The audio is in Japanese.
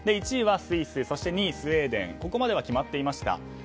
１位はスイスそして２位はスウェーデンここまでは決まっていました。